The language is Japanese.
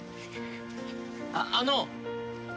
あっあの。